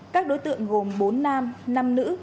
các đối tượng gồm bốn nam năm nữ